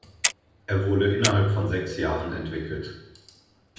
Er wurde innerhalb von sechs Jahren entwickelt.